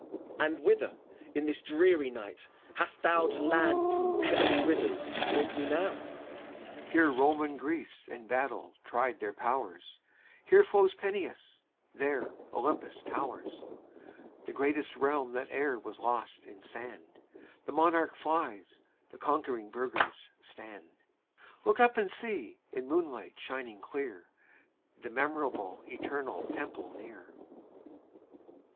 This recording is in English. And whither, in this dreary night, hast thou To land through pebbly rivers brought me nowt CHIRON. Here Rome and Greece in battle tried their powers; Here flows Peneus, there Olympus towers, — The greatest realm that e'er was lost in sand. The monarch flies, the conquering burghers stand. Look up and see, in moonlight shining clear, The memorable, eternal Temple near!